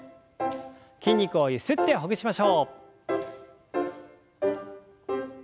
筋肉をゆすってほぐしましょう。